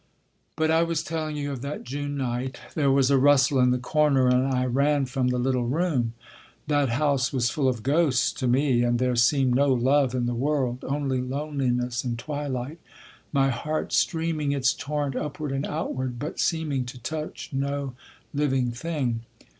"But I was telling you of that June night. There was a rustle in the corner, and I ran from the little room. That house was full of ghosts to me, and there seemed no love in the world—only loneliness and twilight—my heart streaming its torrent upward and outward, but seeming to touch no living thing.